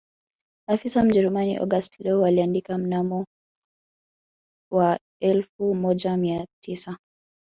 Afisa Mjerumani August Leue aliandika mnamo wa elfu moja na mia tisa